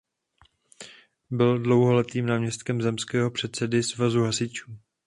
Byl dlouholetým náměstkem zemského předsedy svazu hasičů.